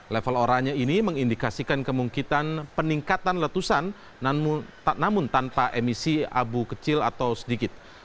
level oranya ini mengindikasikan kemungkinan peningkatan letusan namun tanpa emisi abu kecil atau sedikit